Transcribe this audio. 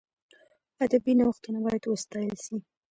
ادبي نوښتونه باید وستایل سي.